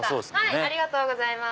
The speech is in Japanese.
ありがとうございます。